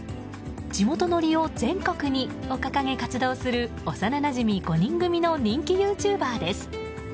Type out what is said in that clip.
地元ノリを全国にを掲げ活動する幼なじみ５人組の人気ユーチューバーです。